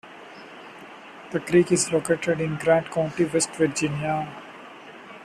The creek is located in Grant County, West Virginia.